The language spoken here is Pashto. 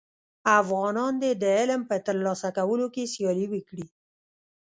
افغانان دي د علم په تر لاسه کولو کي سیالي وکړي.